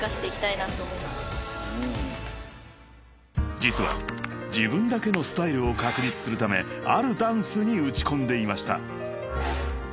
［実は自分だけのスタイルを確立するためあるダンスに打ち込んでいました］